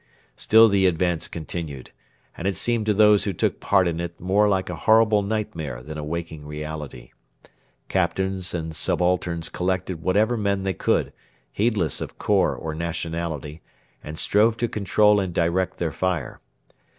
Still the advance continued, and it seemed to those who took part in it more like a horrible nightmare than a waking reality. Captains and subalterns collected whatever men they could, heedless of corps or nationality, and strove to control and direct their fire.